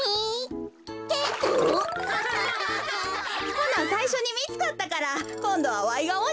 ほなさいしょにみつかったからこんどはわいがおにやで。